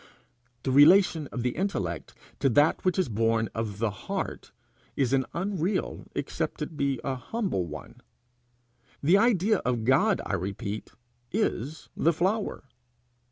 The relation of the intellect to that which is born of the heart is an unreal except it be a humble one. The idea of God, I repeat, is the flower.